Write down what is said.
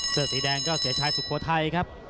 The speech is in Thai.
เสื้อสีแดงก็เสียชายสุโขทัยครับ